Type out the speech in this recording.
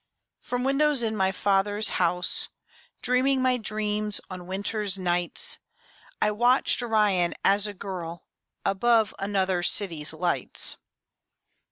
From windows in my father's house, Dreaming my dreams on winter nights, I watched Orion as a girl Above another city's lights.